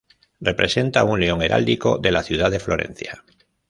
Representa un león heráldico de la ciudad de Florencia.